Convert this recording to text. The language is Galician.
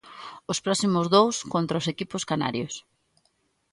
Os próximos dous contra os equipos canarios.